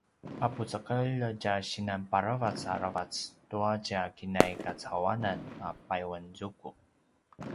a pucekelj tja sinan paravac aravac tua tja kinai kacauwanan a payuanzuku